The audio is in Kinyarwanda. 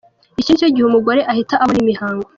Iki ni cyo gihe umugore ahita abona imihango.